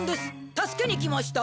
助けに来ました。